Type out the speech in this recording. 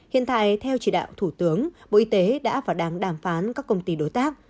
hiện tại theo chỉ đạo thủ tướng bộ y tế đã và đang đàm phán các công ty đối tác